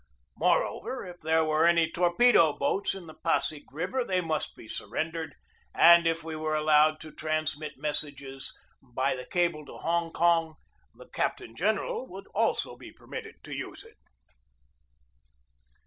Moreover, if there were any torpedo boats in the Pasig River they must be surrendered, and if we were allowed to transmit mes sages by the cable to Hong Kong the captain general would also be permitted to use it.